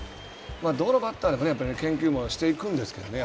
どのバッターでも研究もしていくんですけどね。